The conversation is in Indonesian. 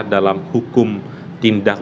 dalam hukum tindak